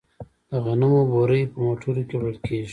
د غنمو بورۍ په موټرو کې وړل کیږي.